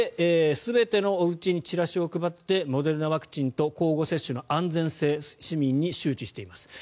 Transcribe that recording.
全てのうちにチラシを配ってモデルナワクチンと交互接種の安全性市民に周知しています。